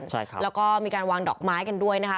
ใช่ครับแล้วก็มีการวางดอกไม้กันด้วยนะคะ